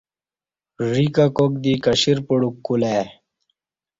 ژی ککاک دی کشرپڈوک کولہ ای